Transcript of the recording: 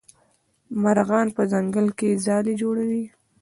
مرغان په ځنګل کې ځالې جوړوي.